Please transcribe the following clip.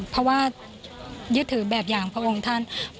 เพราะว่ายึดถือแบบอย่างพระองค์ท่าน